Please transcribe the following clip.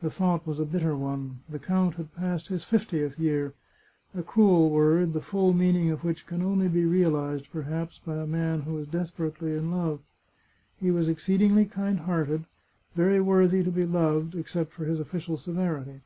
The thought was a bitter one. The count had passed his fiftieth year — a cruel word, the full meaning of which can only be realized, perhaps, by a man who is desperately in love. He was exceedingly kind hearted, very worthy to be loved, except for his official severity.